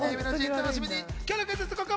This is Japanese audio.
お楽しみに。